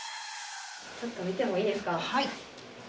ちょっと見てもいいですか？